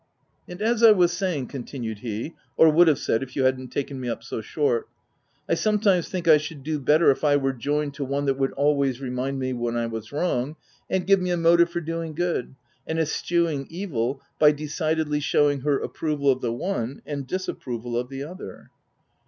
" And as I was saying," continued he — u or would have said if you hadn't taken me up so short — I sometimes think I should do better if I were joined to one that would always remind me when I was wrong, and give me a motive for doing good and eschewing evil by decidedly showing her approval of the one, and disapproval of the other."